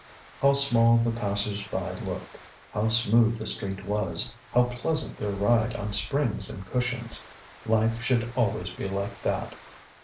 ŌĆØ How small the passers by looked, how smooth the street was, how pleasant their ride on springs and cushions! Life should always be like that.